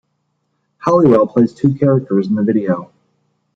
Halliwell plays two characters in the video.